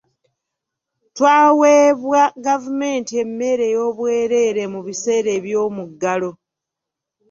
Twaweebwa gavumenti emmere ey'obwereere mu biseera by'omuggalo.